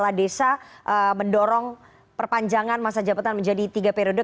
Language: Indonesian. yang katanya dari para kepala desa mendorong perpanjangan masa jabatan menjadi tiga periode